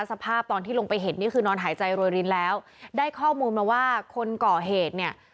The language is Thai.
สภาพตอนที่ลงไปเห็นนี่คือนอนหายใจโรยรินแล้วได้ข้อมูลมาว่าคนก่อเหตุเนี่ย